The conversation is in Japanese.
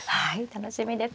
楽しみです。